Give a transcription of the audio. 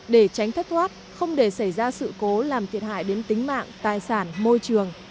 để tránh thất thoát không để xảy ra sự cố làm thiệt hại đến tính mạng tài sản môi trường